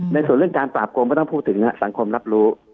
ในส่วนเรื่องการปราบโกงก็ต้องพูดถึงสังคมรับรู้